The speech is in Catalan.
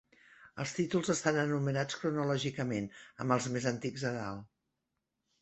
Els títols estan enumerats cronològicament, amb els més antics a dalt.